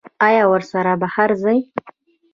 ایا ورسره بهر ځئ؟